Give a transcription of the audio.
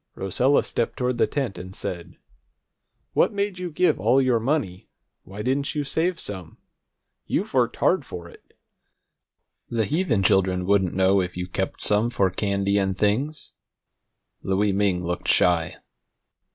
Rosella stepped toward the tent, and said: "What made you give all your money? Why didn't you save some? You've worked hard for it. The heathen children wouldn't know if you kept some for candy and things." Louie Ming looked shy.